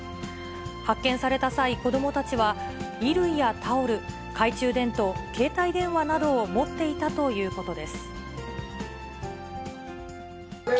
発見された際、子どもたちは衣類やタオル、懐中電灯、携帯電話などを持っていたということです。